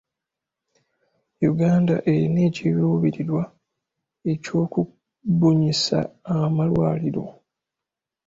Uganda erina ekiruubirirwa ekyokubunyisa amalwaliro.